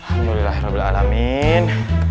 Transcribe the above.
alhamdulillah rabbil alamin